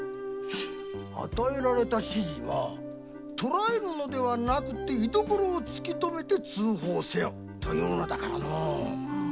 与えられた指示は捕らえるのではなくて「居所を突きとめて通報せよ」と言うのだからのう。